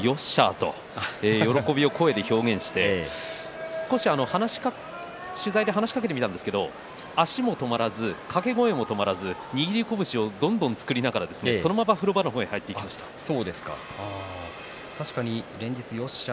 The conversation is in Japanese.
と喜びを声で表現して少し取材で話しかけてみたんですが足も止まらず掛け声も止まらずに右拳をどんどん作りながら、そのまま確かによっしゃ！